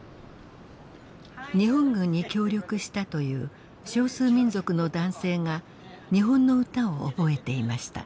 日本軍に協力したという少数民族の男性が日本の歌を覚えていました。